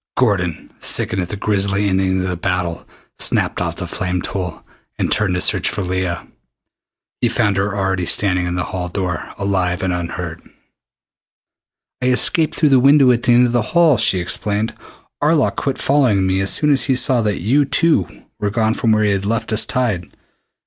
Gordon, sickened at the grisly ending to the battle, snapped off the flame tool and turned to search for Leah. He found her already standing in the hall door, alive, and unhurt. "I escaped through the window at the end of the hall," she explained. "Arlok quit following me as soon as he saw that you too were gone from where he had left us tied."